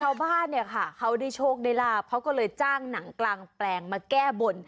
ชาวบ้านเนี่ยค่ะเขาได้โชคได้ลาบเขาก็เลยจ้างหนังกลางแปลงมาแก้บน